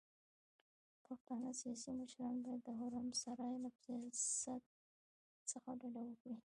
پښتانه سياسي مشران بايد د حرم سرای له سياست څخه ډډه وکړي.